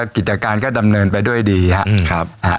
กิจการก็ดำเนินไปด้วยดีครับ